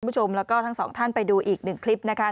คุณผู้ชมแล้วก็ทั้งสองท่านไปดูอีกหนึ่งคลิปนะคะ